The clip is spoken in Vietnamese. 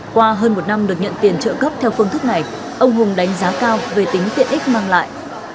qua hơn một năm được nhận tiền trợ cấp theo phương thức này ông hùng đánh giá cao về tính tiện ích mang lại